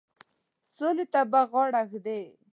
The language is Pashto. سولي ته به غاړه ایږدي.